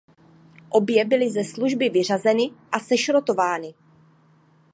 Obě byly ze služby vyřazeny a sešrotovány.